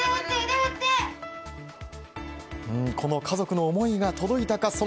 家族の思いが届いたか。